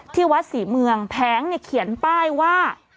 ที่วัดศรีเมืองแผงเขียนป้ายว่า